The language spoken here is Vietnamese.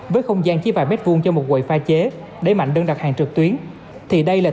với không gian chỉ vài mét vuông cho một quầy pha chế đẩy mạnh đơn đặt hàng trực tuyến thì đây là